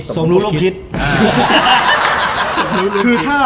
ทรงร่วมพิษ